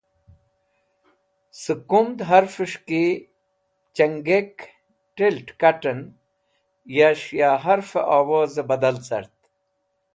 Sẽk kumd harfes̃h ki Changek ̃(Tilt). Kat̃ẽn yash ya harve owozẽ badal cart.